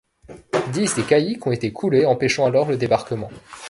Dix des caïques ont été coulés, empêchant alors le débarquement.